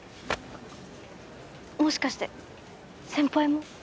もしかして先輩も？